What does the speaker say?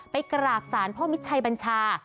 ไปกราบสารพ่อมิตรชัยบัญชา